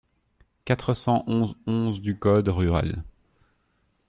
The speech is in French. quatre cent onze-onze du code rural.